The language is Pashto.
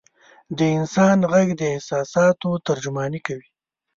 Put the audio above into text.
د انسان ږغ د احساساتو ترجماني کوي.